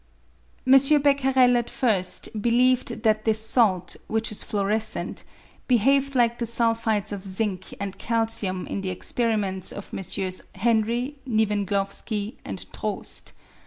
M. Becquerel at first believed that this salt, which is fluorescent, behaved like the sulphides of zinc and calcium in the experiments of MM. Henry, Niewenglowski, and Troost.